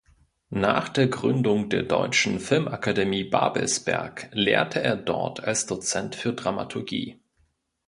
Nach der Gründung der Deutschen Filmakademie Babelsberg lehrte er dort als Dozent für Dramaturgie.